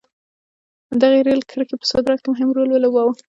دغې رېل کرښې په صادراتو کې مهم رول ولوباوه.